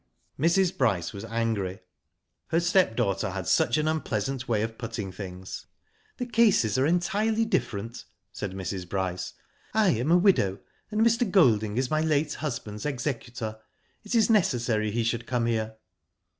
Mrs. Bryce was angry. Her stepdaughter had such an unpleasant way of putting things. "The cases are entirely different" said Mrs. Bryce. "I am a widow, and Mr. Golding is my late husband's executor. It is necessary he should come here."